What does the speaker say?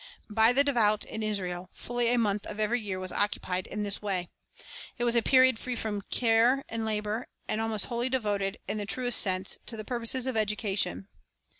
By the devout in Israel, fully a month of every year was occupied in this way. It was a period free from care and labor, and almost wholly devoted, in the truest sense, to purposes of education.